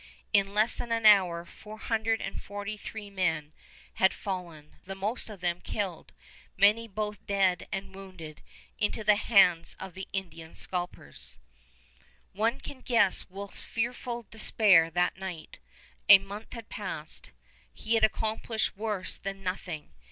In less than an hour four hundred and forty three men had fallen, the most of them killed, many both dead and wounded, into the hands of the Indian scalpers. One can guess Wolfe's fearful despair that night. A month had passed. He had accomplished worse than nothing.